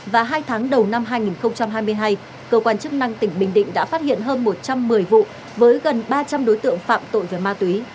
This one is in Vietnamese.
và hai tháng đầu năm hai nghìn hai mươi hai cơ quan chức năng tỉnh bình định đã phát hiện hơn một trăm một mươi vụ với gần ba trăm linh đối tượng phạm tội về ma túy